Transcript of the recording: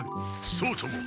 そうとも！